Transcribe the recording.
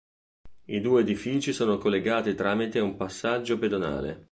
I due edifici sono collegati tramite un passaggio pedonale.